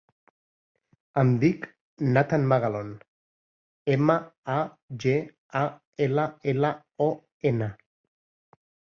Em dic Nathan Magallon: ema, a, ge, a, ela, ela, o, ena.